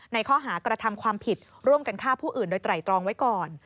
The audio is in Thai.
ในข้อหากระทำความผิดร่วมกันฆ่าผู้อื่นโดยไตรตรองไว้ก่อน